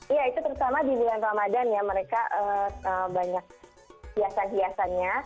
iya itu terutama di bulan ramadan ya mereka banyak hiasan hiasannya